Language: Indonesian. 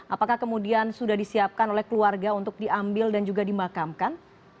apakah kemudian sudah disiapkan oleh keluarga untuk diambil dan juga dimakamkan